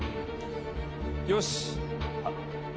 よし！